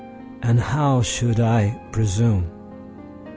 And how should I presume?